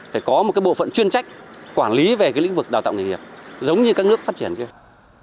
phải có một bộ phận chuyên trách quản lý về lĩnh vực đào tạo nghề nghiệp giống như các nước phát triển kia